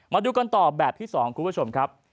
มาดูกันต่อแบบที่๒คุณผู้ชมครับ